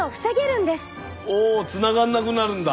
おつながらなくなるんだ。